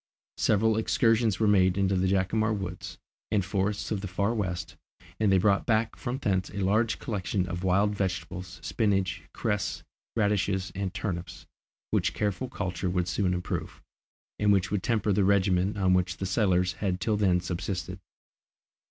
Several excursions were made into the Jacamar woods and forests of the Far West, and they brought back from thence a large collection of wild vegetables, spinage, cress, radishes, and turnips, which careful culture would soon improve, and which would temper the regimen on which the settlers had till then subsisted.